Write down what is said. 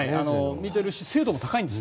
見ているし精度も高いんです。